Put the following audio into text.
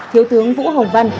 thiếu tướng vũ hồng văn